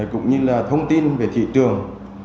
cũng như là thông tin về thị trường